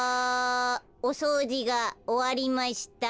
おそうじがおわりました。